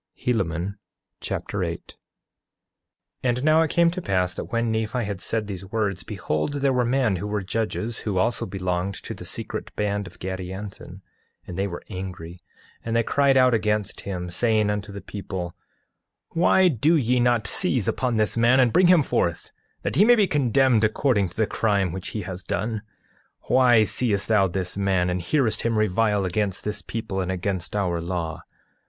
Helaman Chapter 8 8:1 And now it came to pass that when Nephi had said these words, behold, there were men who were judges, who also belonged to the secret band of Gadianton, and they were angry, and they cried out against him, saying unto the people: Why do ye not seize upon this man and bring him forth, that he may be condemned according to the crime which he has done? 8:2 Why seest thou this man, and hearest him revile against this people and against our law?